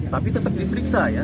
tapi tetap diperiksa ya